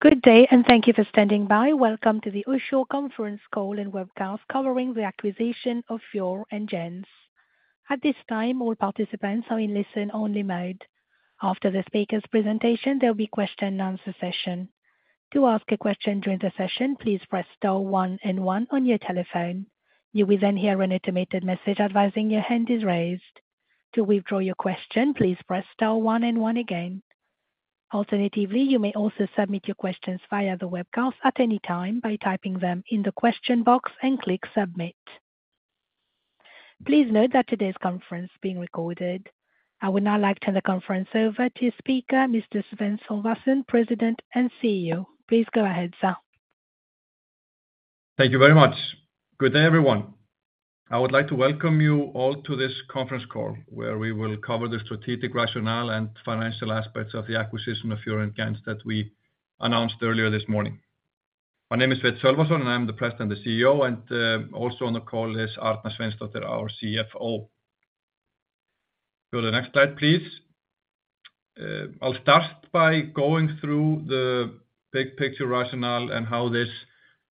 Good day, and thank you for standing by. Welcome to the Össur conference call and webcast covering the acquisition of FIOR & GENTZ. At this time, all participants are in listen-only mode. After the speaker's presentation, there'll be question and answer session. To ask a question during the session, please press star one and one on your telephone. You will then hear an automated message advising your hand is raised. To withdraw your question, please press star one and one again. Alternatively, you may also submit your questions via the webcast at any time by typing them in the question box and click Submit. Please note that today's conference is being recorded. I would now like to turn the conference over to speaker, Mr. Sveinn Sölvason, President and CEO. Please go ahead, sir. Thank you very much. Good day, everyone. I would like to welcome you all to this conference call, where we will cover the strategic rationale and financial aspects of the acquisition of FIOR & GENTZ that we announced earlier this morning. My name is Sveinn Sölvason, and I'm the President and CEO, and also on the call is Arna Sveinsdóttir, our CFO. Go to the next slide, please. I'll start by going through the big picture rationale and how this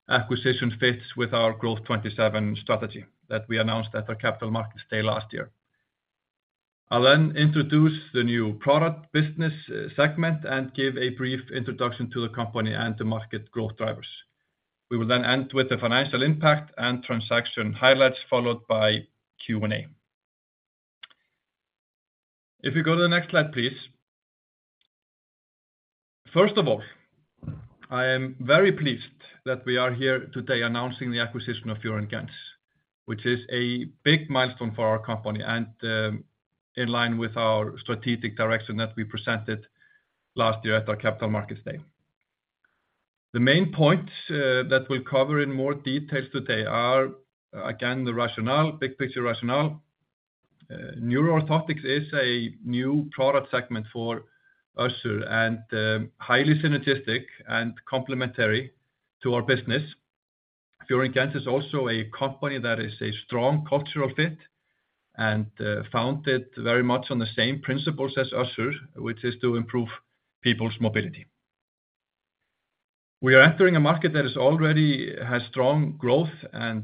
acquisition fits with our Growth'27 strategy that we announced at our Capital Markets Day last year. I'll then introduce the new product business segment and give a brief introduction to the company and the market growth drivers. We will then end with the financial impact and transaction highlights, followed by Q&A. If you go to the next slide, please. First of all, I am very pleased that we are here today announcing the acquisition of FIOR & GENTZ, which is a big milestone for our company and in line with our strategic direction that we presented last year at our Capital Markets Day. The main points that we'll cover in more details today are, again, the rationale, big picture rationale. Neuro Orthotics is a new product segment for Össur and highly synergistic and complementary to our business. FIOR & GENTZ is also a company that is a strong cultural fit and founded very much on the same principles as Össur, which is to improve people's mobility. We are entering a market that is already has strong growth and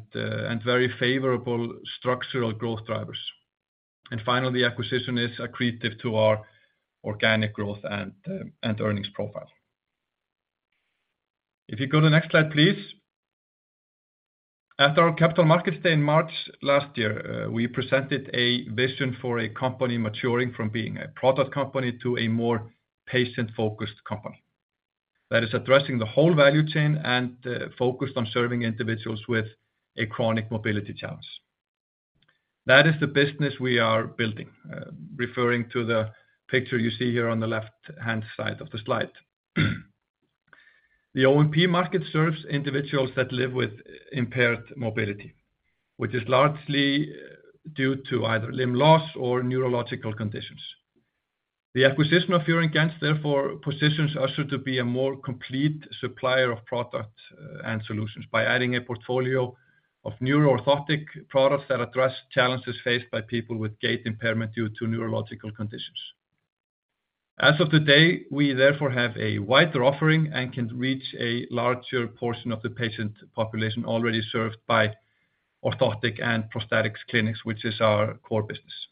very favorable structural growth drivers. And finally, acquisition is accretive to our organic growth and earnings profile. If you go to the next slide, please. At our Capital Markets Day in March last year, we presented a vision for a company maturing from being a product company to a more patient-focused company that is addressing the whole value chain and focused on serving individuals with a chronic mobility challenge. That is the business we are building, referring to the picture you see here on the left-hand side of the slide. The O&P market serves individuals that live with impaired mobility, which is largely due to either limb loss or neurological conditions. The acquisition of FIOR & GENTZ, therefore, positions us to be a more complete supplier of products and solutions by adding a portfolio of neuro-orthotic products that address challenges faced by people with gait impairment due to neurological conditions. As of today, we therefore have a wider offering and can reach a larger portion of the patient population already served by orthotics and Prosthetics clinics, which is our core business.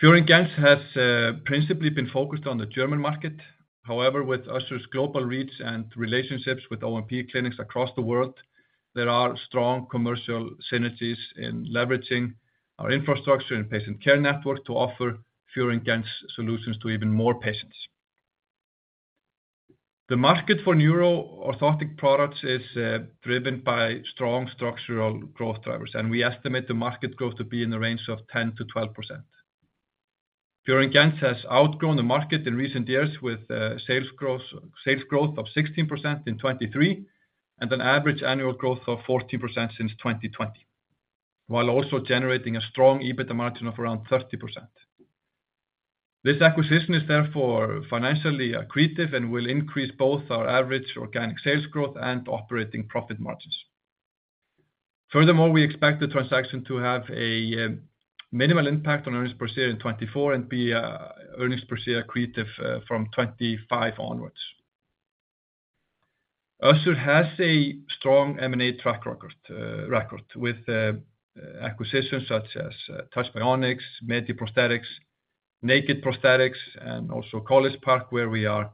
FIOR & GENTZ has principally been focused on the German market. However, with Össur's global reach and relationships with O&P clinics across the world, there are strong commercial synergies in leveraging our infrastructure and patient care network to offer FIOR & GENTZ solutions to even more patients. The market for neuro orthotic products is driven by strong structural growth drivers, and we estimate the market growth to be in the range of 10%-12%. FIOR & GENTZ has outgrown the market in recent years, with sales growth of 16% in 2023 and an average annual growth of 14% since 2020, while also generating a strong EBITDA margin of around 30%. This acquisition is therefore financially accretive and will increase both our average organic sales growth and operating profit margins. Furthermore, we expect the transaction to have a minimal impact on earnings per share in 2024 and be earnings per share accretive from 2025 onwards. Össur has a strong M&A track record with acquisitions such as Touch Bionics, medi Prosthetics, Naked Prosthetics, and also College Park, where we are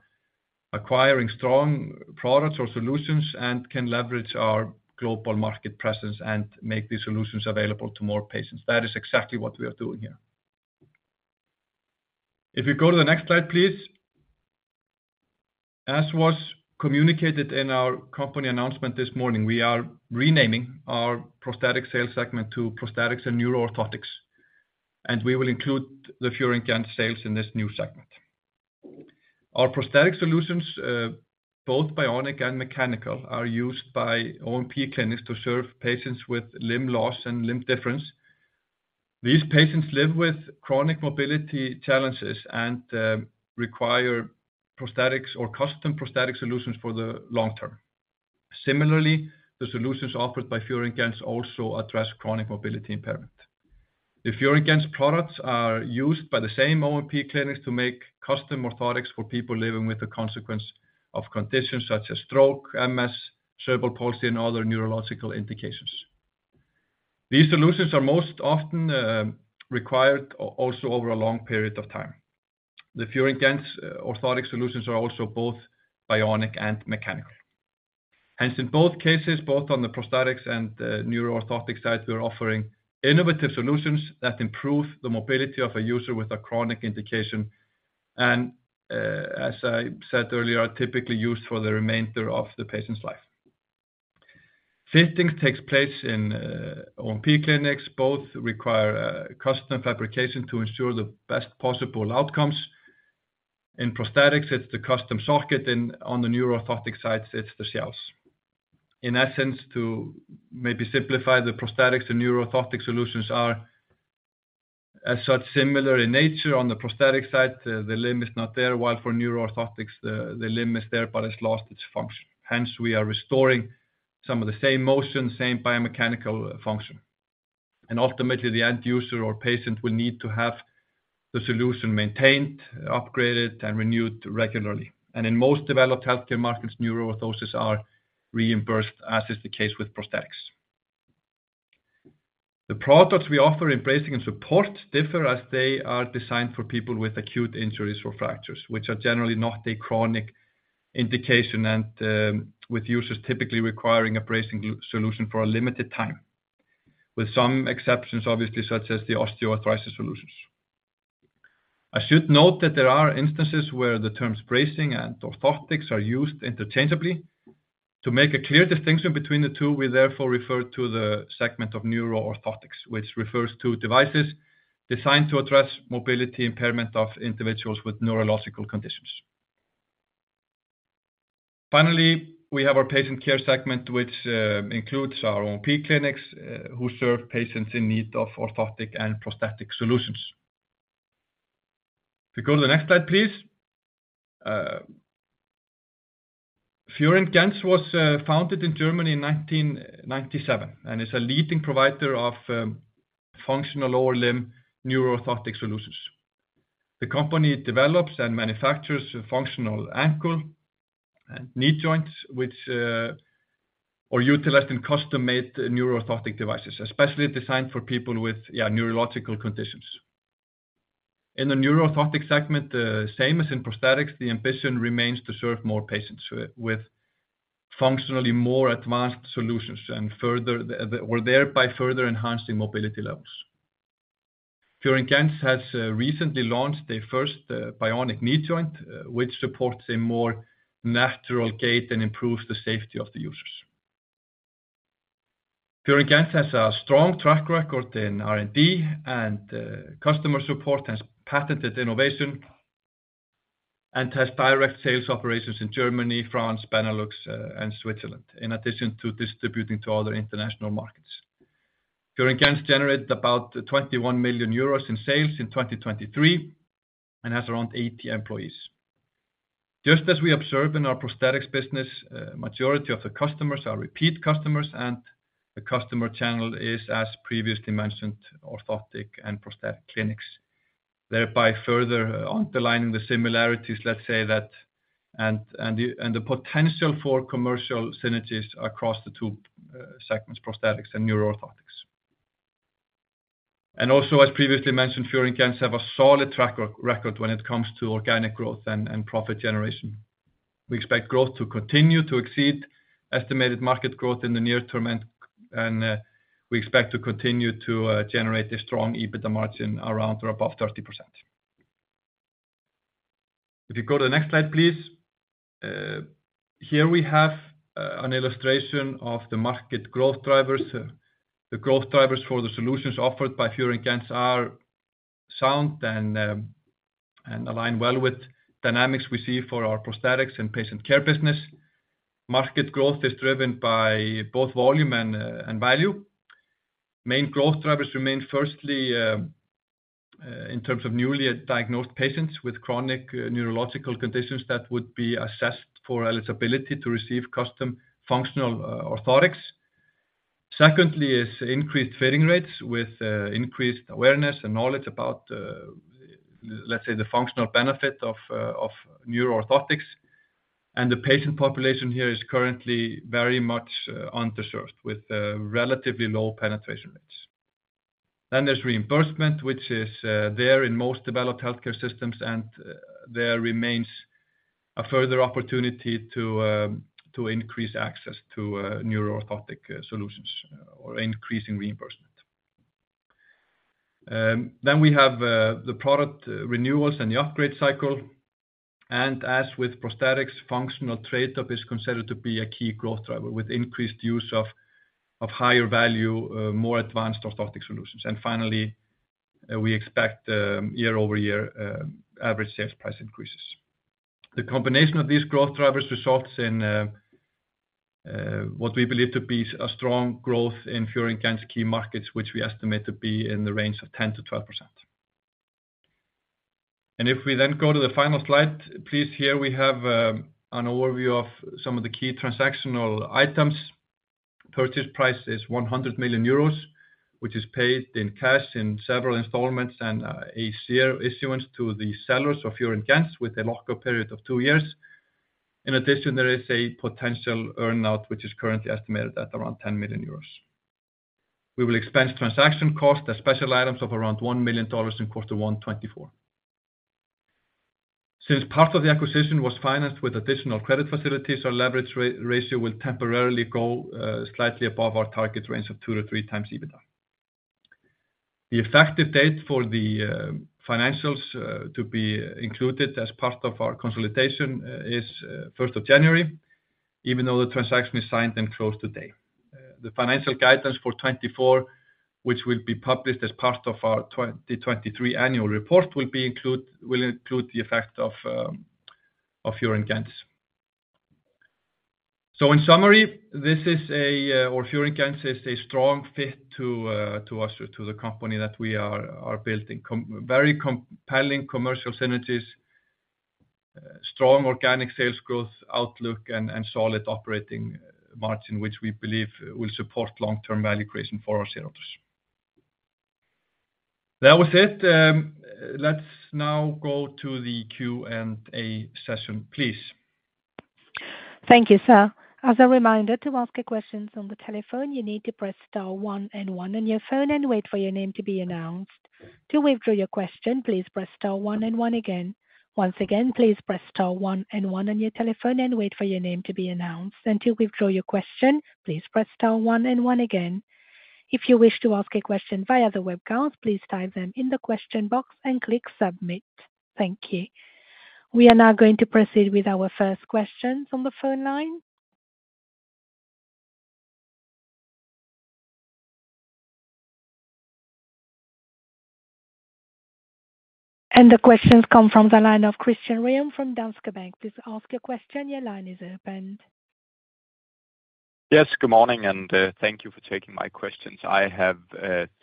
acquiring strong products or solutions and can leverage our global market presence and make these solutions available to more patients. That is exactly what we are doing here. If you go to the next slide, please. As was communicated in our company announcement this morning, we are renaming our Prosthetics sales segment to and Neuro Orthotics, and we will include the FIOR & GENTZ sales in this new segment. Our Prosthetic solutions, both bionic and mechanical, are used by O&P clinics to serve patients with limb loss and limb difference. These patients live with chronic mobility challenges and, require Prosthetics or custom Prosthetic solutions for the long term. Similarly, the solutions offered by FIOR & GENTZ also address chronic mobility impairment. the FIOR & GENTZ products are used by the same O&P clinics to make custom orthotics for people living with the consequence of conditions such as stroke, MS, cerebral palsy, and other neurological indications. These solutions are most often, required also over a long period of time. the FIOR & GENTZ orthotic solutions are also both bionic and mechanical. Hence, in both cases, both on the Prosthetics and Neuro Orthotic side, we are offering innovative solutions that improve the mobility of a user with a chronic indication, and as I said earlier, are typically used for the remainder of the patient's life. Fitting takes place in O&P clinics. Both require custom fabrication to ensure the best possible outcomes. In Prosthetics, it's the custom socket, and on the Neuro Orthotic side, it's the shells. In essence, to maybe simplify, the Prosthetics and Neuro Orthotic solutions are as such similar in nature. On the Prosthetic side, the limb is not there, while Neuro Orthotics, the limb is there, but it's lost its function. Hence, we are restoring some of the same motion, same biomechanical function, and ultimately, the end user or patient will need to have the solution maintained, upgraded, and renewed regularly. In most developed healthcare markets, neuro orthoses are reimbursed, as is the case with Prosthetics. The products we offer in bracing and support differ as they are designed for people with acute injuries or fractures, which are generally not a chronic indication, and with users typically requiring a bracing solution for a limited time, with some exceptions, obviously, such as the osteoarthritis solutions. I should note that there are instances where the terms bracing and orthotics are used interchangeably. To make a clear distinction between the two, we therefore refer to the segment Neuro Orthotics, which refers to devices designed to address mobility impairment of individuals with neurological conditions. Finally, we have our Patient Care segment, which, includes our O&P clinics, who serve patients in need of orthotic and Prosthetic solutions. If you go to the next slide, please. FIOR & GENTZ was founded in Germany in 1997 and is a leading provider of functional lower limb Neuro Orthotic solutions. The company develops and manufactures a functional ankle and knee joints, which are utilized in custom-made Neuro Orthotic devices, especially designed for people with, yeah, neurological conditions. In the Neuro Orthotic segment, same as in Prosthetics, the ambition remains to serve more patients with, with functionally more advanced solutions and further the, well, thereby further enhancing mobility levels. FIOR & GENTZ has recently launched their first bionic knee joint, which supports a more natural gait and improves the safety of the users. FIOR & GENTZ has a strong track record in R&D, and customer support, has patented innovation, and has direct sales operations in Germany, France, Benelux, and Switzerland, in addition to distributing to other international markets. FIOR & GENTZ generated about 21 million euros in sales in 2023 and has around 80 employees. Just as we observe in our Prosthetics business, majority of the customers are repeat customers, and the customer channel is, as previously mentioned, orthotic and prosthetic clinics, thereby further underlining the similarities, let's say that, and the potential for commercial synergies across the two segments, Prosthetics and Neuro Orthotics. also, as previously mentioned, FIOR & GENTZ have a solid track record when it comes to organic growth and profit generation. We expect growth to continue to exceed estimated market growth in the near term, and we expect to continue to generate a strong EBITDA margin around or above 30%. If you go to the next slide, please. Here we have an illustration of the market growth drivers. The growth drivers for the solutions offered by FIOR & GENTZ are sound and align well with dynamics we see for our Prosthetics and patient care business. Market growth is driven by both volume and value. Main growth drivers remain, firstly, in terms of newly diagnosed patients with chronic neurological conditions that would be assessed for eligibility to receive custom functional orthotics. Secondly, is increased fitting rates with increased awareness and knowledge about, let's say, the functional benefit Neuro Orthotics, and the patient population here is currently very much underserved with relatively low penetration rates. Then there's reimbursement, which is there in most developed healthcare systems, and there remains a further opportunity to increase access to Neuro Orthotic solutions or increasing reimbursement. Then we have the product renewals and the upgrade cycle, and as with Prosthetics, functional trade-up is considered to be a key growth driver with increased use of higher value, more advanced orthotic solutions. And finally, we expect year-over-year average sales price increases. The combination of these growth drivers results in what we believe to be a strong growth in FIOR & GENTZ key markets, which we estimate to be in the range of 10%-12%.... And if we then go to the final slide, please, here we have an overview of some of the key transactional items. Purchase price is 100 million euros, which is paid in cash in several installments and a share issuance to the sellers of FIOR & GENTZ, with a lock-up period of two years. In addition, there is a potential earn-out, which is currently estimated at around 10 million euros. We will expense transaction costs as special items of around $1 million in quarter one 2024. Since part of the acquisition was financed with additional credit facilities, our leverage ratio will temporarily go slightly above our target range of two to three times EBITDA. The effective date for the financials to be included as part of our consolidation is first of January, even though the transaction is signed and closed today. The financial guidance for 2024, which will be published as part of our 2023 annual report, will include the effect of FIOR & GENTZ. So in summary, this is a, or FIOR & GENTZ is a strong fit to us, to the company that we are building. Very compelling commercial synergies, strong organic sales growth outlook, and solid operating margin, which we believe will support long-term value creation for our shareholders. That was it, let's now go to the Q&A session, please. Thank you, sir. As a reminder, to ask a question on the telephone, you need to press star one and one on your phone and wait for your name to be announced. To withdraw your question, please press star one and one again. Once again, please press star one and one on your telephone and wait for your name to be announced, and to withdraw your question, please press star one and one again. If you wish to ask a question via the webcast, please type them in the question box and click submit. Thank you. We are now going to proceed with our first questions on the phone line. The questions come from the line of Christian Ryom from Danske Bank. Please ask your question. Your line is open. Yes, good morning, and thank you for taking my questions. I have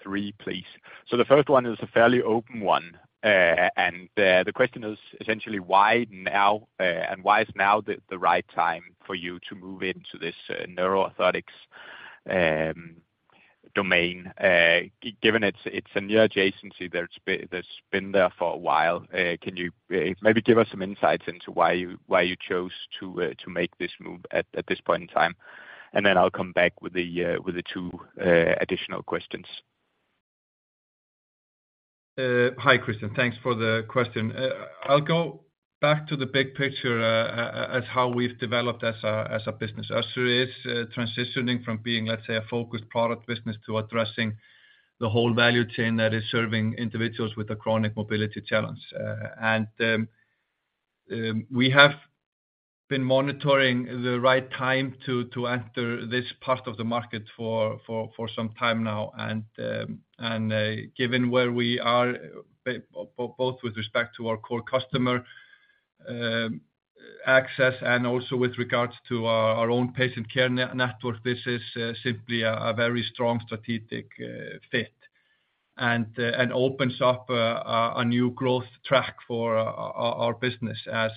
three, please. So the first one is a fairly open one, and the question is essentially why now? And why is now the right time for you to move into Neuro Orthotics domain? Given it's a new adjacency that's been there for a while, can you maybe give us some insights into why you chose to make this move at this point in time? And then I'll come back with the two additional questions. Hi, Christian. Thanks for the question. I'll go back to the big picture, as how we've developed as a business. Össur is transitioning from being, let's say, a focused product business to addressing the whole value chain that is serving individuals with a chronic mobility challenge. We have been monitoring the right time to enter this part of the market for some time now, and, given where we are, both with respect to our core customer access and also with regards to our own patient care network, this is simply a very strong strategic fit. And opens up a new growth track for our business as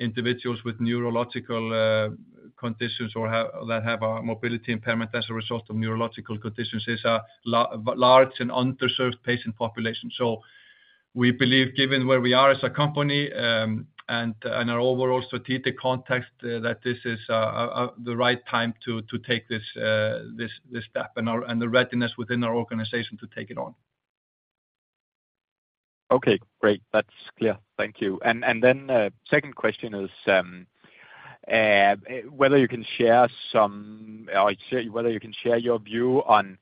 individuals with neurological conditions that have a mobility impairment as a result of neurological conditions is a large and underserved patient population. So we believe, given where we are as a company, and our overall strategic context, that this is the right time to take this step and the readiness within our organization to take it on. Okay, great. That's clear. Thank you. And then second question is whether you can share some, or whether you can share your view on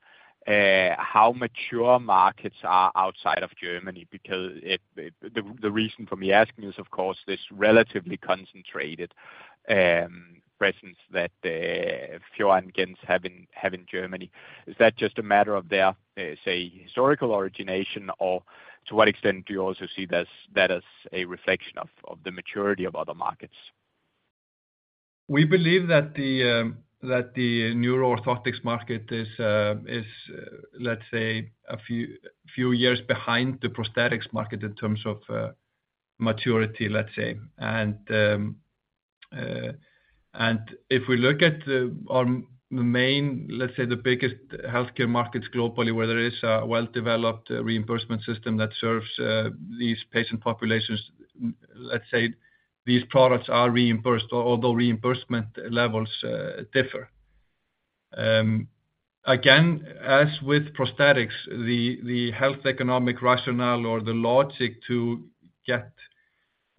how mature markets are outside of Germany, because. The reason for me asking is, of course, this relatively concentrated presence that FIOR & GENTZ have in Germany. Is that just a matter of their say historical origination, or to what extent do you also see this as a reflection of the maturity of other markets? We believe that the neuro-orthotics market is, let's say, a few years behind the prosthetics market in terms of maturity, let's say. And if we look at our main, let's say, the biggest healthcare markets globally, where there is a well-developed reimbursement system that serves these patient populations, let's say these products are reimbursed, although reimbursement levels differ. Again, as with Prosthetics, the health economic rationale or the logic to get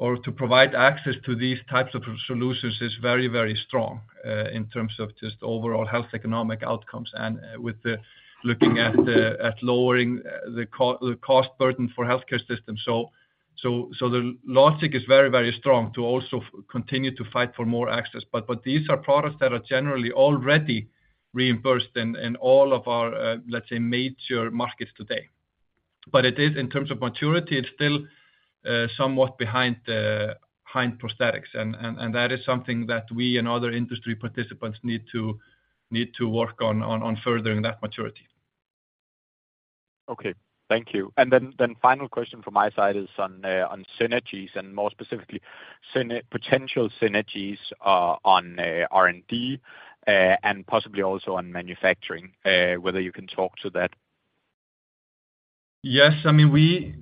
or to provide access to these types of solutions is very, very strong in terms of just overall health economic outcomes and with looking at lowering the cost burden for healthcare systems. So the logic is very, very strong to also continue to fight for more access. But these are products that are generally already reimbursed in all of our, let's say, major markets today. But it is in terms of maturity, it's still somewhat behind Prosthetics. That is something that we and other industry participants need to work on furthering that maturity.... Okay, thank you. And then final question from my side is on, on synergies and more specifically, potential synergies, on, R&D, and possibly also on manufacturing, whether you can talk to that? Yes. I mean,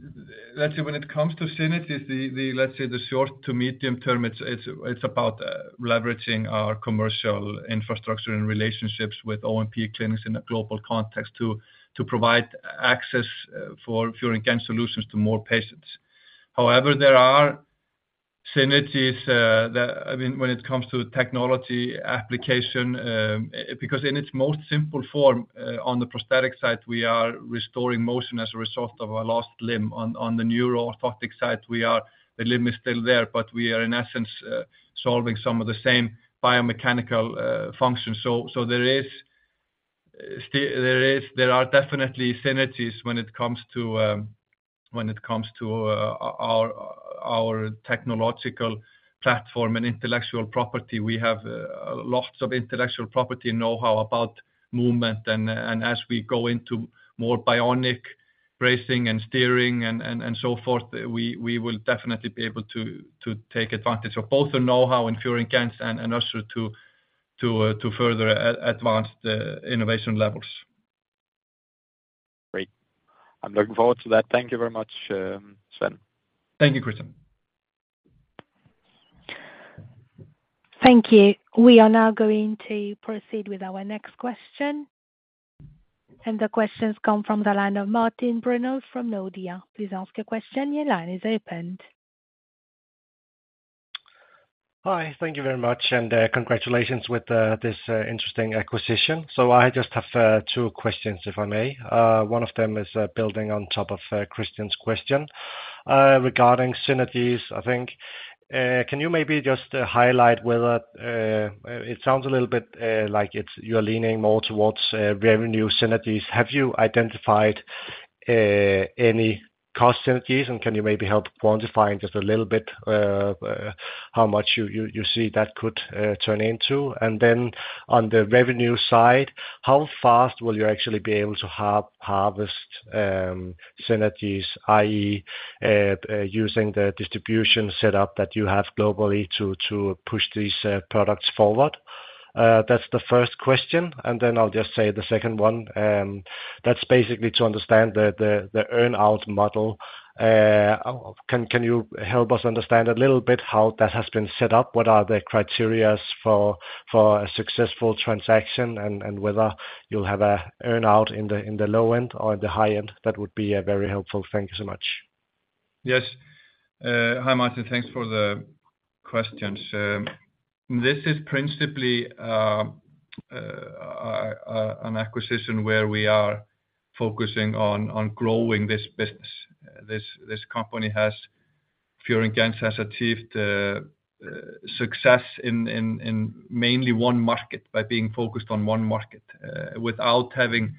let's say when it comes to synergies, the short to medium term, it's about leveraging our commercial infrastructure and relationships with O&P clinics in a global context to provide access for FIOR & GENTZ solutions to more patients. However, there are synergies that, I mean, when it comes to technology application, because in its most simple form, on the Prosthetic side, we are restoring motion as a result of a lost limb. On the Neuro Orthotic side, we are. The limb is still there, but we are in essence solving some of the same biomechanical functions. So, there is still, there are definitely synergies when it comes to our technological platform and intellectual property. We have lots of intellectual property know-how about movement, and as we go into more bionic bracing and steering and so forth, we will definitely be able to take advantage of both the know-how in FIOR & GENTZ and also to further advance the innovation levels. Great. I'm looking forward to that. Thank you very much, Sveinn. Thank you, Christian. Thank you. We are now going to proceed with our next question. The question's come from the line of Martin Brenøe from Nordea. Please ask your question. Your line is open. Hi, thank you very much, and, congratulations with, this, interesting acquisition. So I just have, two questions, if I may. One of them is, building on top of, Christian's question, regarding synergies, I think. Can you maybe just highlight whether, it sounds a little bit, like it's-- you're leaning more towards, revenue synergies. Have you identified, any cost synergies, and can you maybe help quantify just a little bit, how much you, you, you see that could, turn into? And then on the revenue side, how fast will you actually be able to harvest synergies, i.e., using the distribution setup that you have globally to, to push these, products forward? That's the first question, and then I'll just say the second one, that's basically to understand the earn out model. Can you help us understand a little bit how that has been set up? What are the criterias for a successful transaction, and whether you'll have a earn out in the low end or in the high end? That would be very helpful. Thank you so much. Yes. Hi, Martin. Thanks for the questions. This is principally an acquisition where we are focusing on growing this business. This company, FIOR & GENTZ has achieved success in mainly one market by being focused on one market without having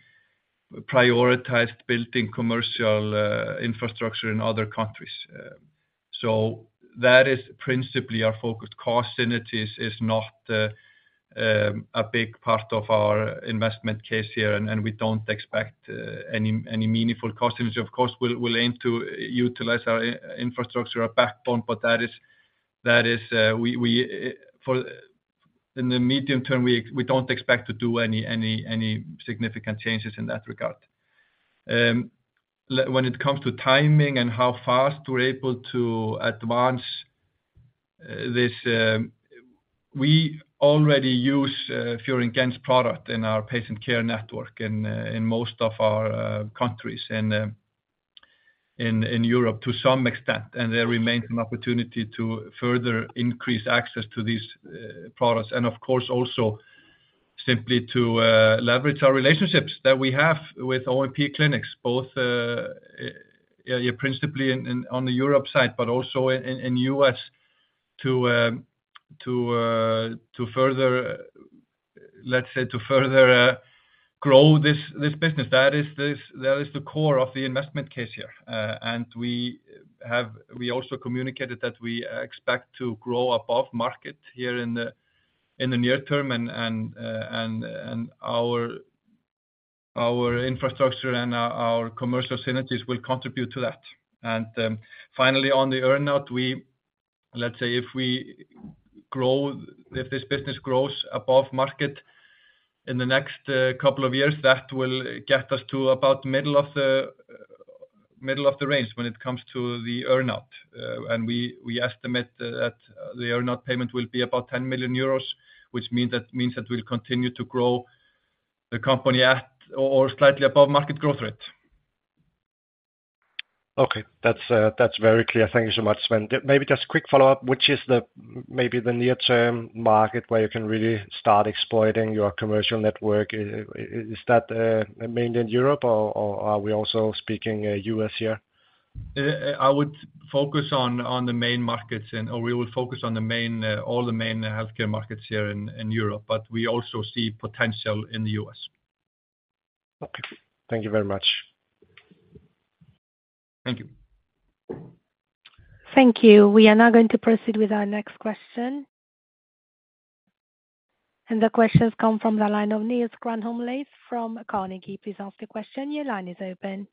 prioritized building commercial infrastructure in other countries. So that is principally our focus. Cost synergies is not a big part of our investment case here, and we don't expect any meaningful cost synergy. Of course, we'll aim to utilize our infrastructure, our backbone, but in the medium term, we don't expect to do any significant changes in that regard. When it comes to timing and how fast we're able to advance, we already use FIOR & GENTZ product in our patient care network in most of our countries and in Europe to some extent, and there remains an opportunity to further increase access to these products, and of course, also simply to leverage our relationships that we have with O&P clinics, both principally in on the Europe side, but also in U.S. to further, let's say, to further grow this business. That is the core of the investment case here. And we have—we also communicated that we expect to grow above market here in the near term, and our infrastructure and our commercial synergies will contribute to that. And, finally, on the earn out, let's say if this business grows above market in the next couple of years, that will get us to about middle of the range when it comes to the earn out. And we estimate that the earn out payment will be about 10 million euros, which means that we'll continue to grow the company at, or slightly above market growth rate. Okay. That's very clear. Thank you so much, Sveinn. Maybe just a quick follow-up, which is maybe the near-term market where you can really start exploiting your commercial network? Is that mainly in Europe, or are we also speaking U.S. here? I would focus on the main markets—or we will focus on all the main healthcare markets here in Europe, but we also see potential in the U.S. Okay. Thank you very much.... Thank you. Thank you. We are now going to proceed with our next question. The question has come from the line of Niels Granholm-Leth from Carnegie. Please ask your question. Your line is open.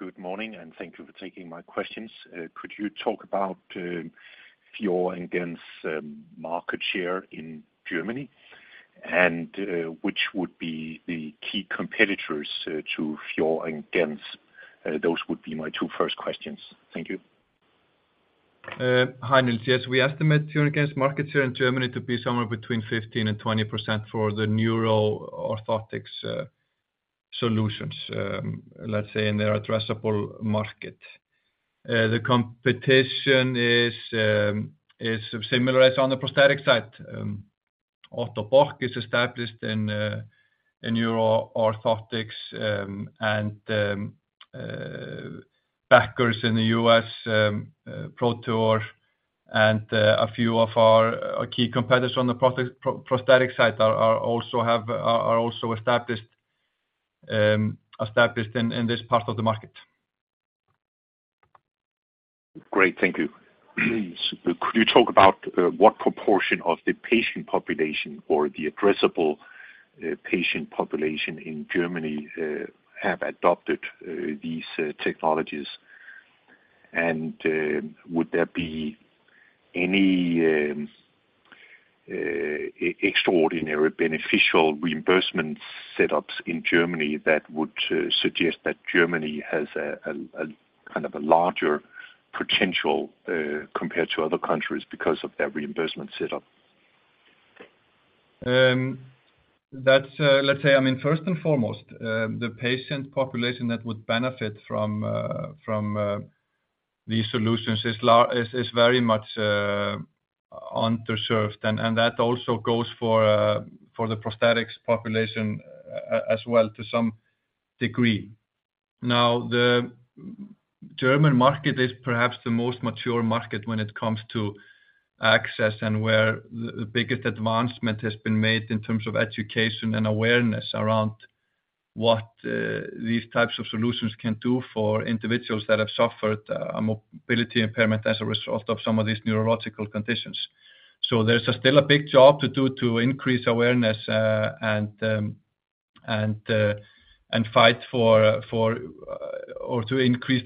Good morning, and thank you for taking my questions. Could you talk about your Össur market share in Germany? And which would be the key competitors to your Össur? Those would be my two first questions. Thank you. Hi, Niels. Yes, we estimate our market share in Germany to be somewhere between 15% and 20% for Neuro Orthotics solutions, let's say, in their addressable market. The competition is similar as on the Prosthetic side. Ottobock is established Neuro Orthotics, and Ottobock in the U.S., Proteor and a few of our key competitors on the Prosthetic side are also established in this part of the market. Great. Thank you. Could you talk about what proportion of the patient population or the addressable patient population in Germany have adopted these technologies? And would there be any extraordinary beneficial reimbursement setups in Germany that would suggest that Germany has a kind of a larger potential compared to other countries because of their reimbursement setup? That's, let's say, I mean, first and foremost, the patient population that would benefit from these solutions is very much underserved, and that also goes for the Prosthetics population as well, to some degree. Now, the German market is perhaps the most mature market when it comes to access and where the biggest advancement has been made in terms of education and awareness around what these types of solutions can do for individuals that have suffered a mobility impairment as a result of some of these neurological conditions. So there's still a big job to do to increase awareness and to increase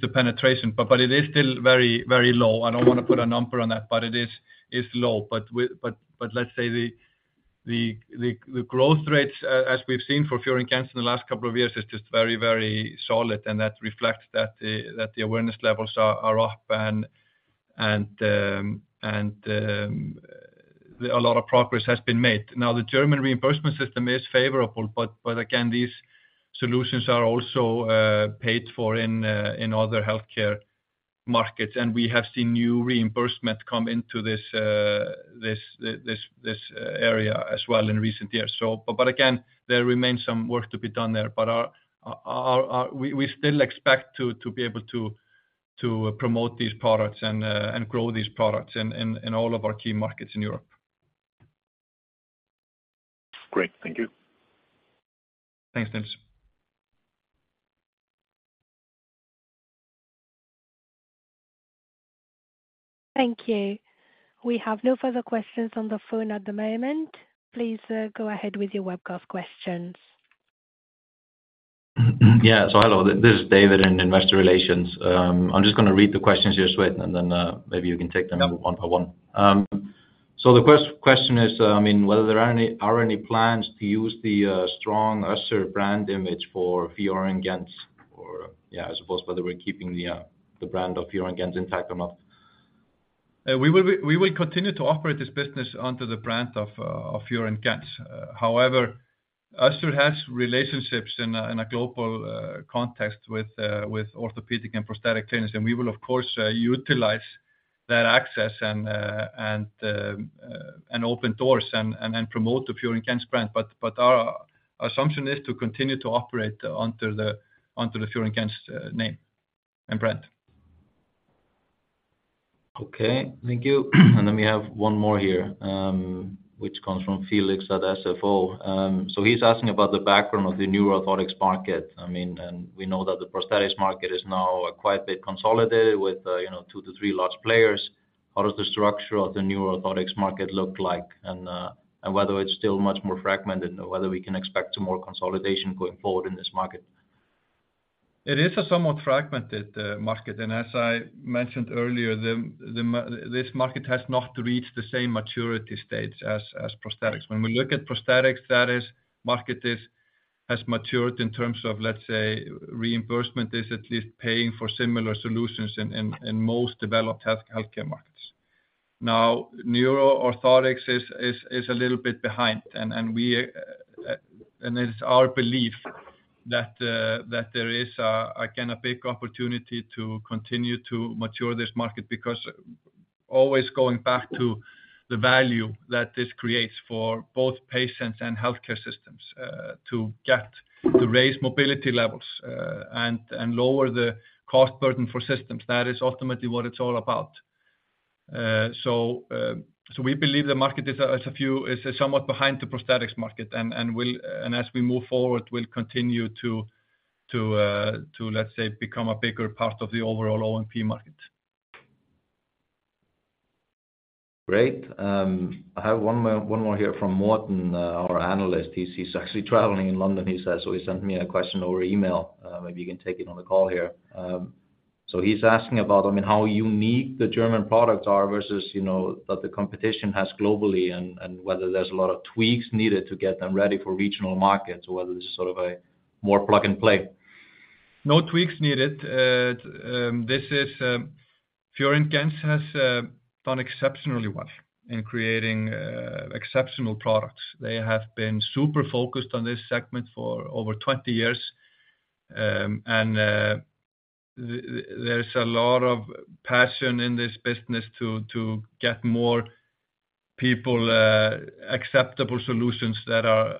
the penetration, but it is still very, very low. I don't wanna put a number on that, but it is, it's low. But let's say the growth rates, as we've seen for FIOR & GENTZ in the last couple of years, is just very, very solid, and that reflects that the awareness levels are up and a lot of progress has been made. Now, the German reimbursement system is favorable, but again, these solutions are also paid for in other healthcare markets, and we have seen new reimbursement come into this area as well in recent years. So, but again, there remains some work to be done there. But we still expect to be able to promote these products and grow these products in all of our key markets in Europe. Great. Thank you. Thanks, Nils. Thank you. We have no further questions on the phone at the moment. Please, go ahead with your webcast questions. Yeah. So hello, this is David in Investor Relations. I'm just gonna read the questions your way, and then, maybe you can take them one by one. So the question is, I mean, whether there are any, are any plans to use the, strong Össur brand image for FIOR & GENTZ? Or, yeah, I suppose whether we're keeping the, the brand of FIOR & GENTZ intact or not. We will continue to operate this business under the brand of FIOR & GENTZ. However, Össur has relationships in a global context with orthopedic and Prosthetic clinics, and we will, of course, utilize that access and open doors and promote the FIOR & GENTZ brand. But our assumption is to continue to operate under the FIOR & GENTZ name and brand. Okay, thank you. And then we have one more here, which comes from Felix at SFO. So he's asking about the background of the new orthotics market. I mean, and we know that the Prosthetics market is now quite a bit consolidated with, you know, two to three large players. How does the structure of the new orthotics market look like? And whether it's still much more fragmented or whether we can expect more consolidation going forward in this market. It is a somewhat fragmented market, and as I mentioned earlier, this market has not reached the same maturity stage as Prosthetics. When we look at Prosthetics, that market has matured in terms of, let's say, reimbursement, is at least paying for similar solutions in most developed healthcare markets. Neuro Orthotics is a little bit behind, and it's our belief that there is again a big opportunity to continue to mature this market, because always going back to the value that this creates for both patients and healthcare systems, to raise mobility levels, and lower the cost burden for systems, that is ultimately what it's all about. So we believe the market is somewhat behind the Prosthetics market, and as we move forward, we'll continue to, let's say, become a bigger part of the overall O&P market. Great. I have one more, one more here from Morton, our analyst. He's, he's actually traveling in London, he says, so he sent me a question over email. Maybe you can take it on the call here. So he's asking about, I mean, how unique the German products are versus, you know, that the competition has globally, and, and whether there's a lot of tweaks needed to get them ready for regional markets, or whether this is sort of a more plug-and-play? No tweaks needed. This is, FIOR & GENTZ has done exceptionally well in creating exceptional products. They have been super focused on this segment for over 20 years. And there's a lot of passion in this business to get more people acceptable solutions that are,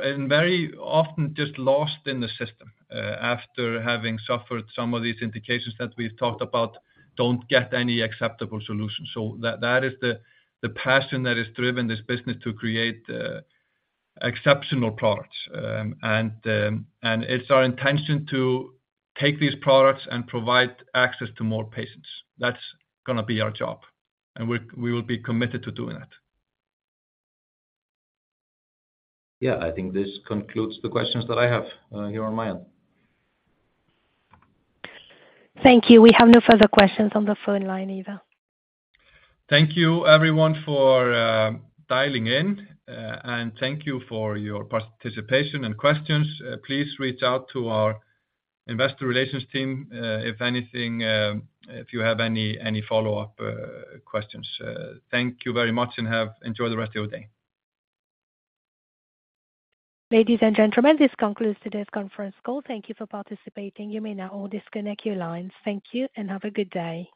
and very often just lost in the system after having suffered some of these indications that we've talked about, don't get any acceptable solution. So that is the passion that has driven this business to create exceptional products. And it's our intention to take these products and provide access to more patients. That's gonna be our job, and we will be committed to doing that. Yeah, I think this concludes the questions that I have here on my end. Thank you. We have no further questions on the phone line either. Thank you everyone for dialing in, and thank you for your participation and questions. Please reach out to our investor relations team if anything, if you have any follow-up questions. Thank you very much and enjoy the rest of your day. Ladies and gentlemen, this concludes today's conference call. Thank you for participating. You may now all disconnect your lines. Thank you and have a good day.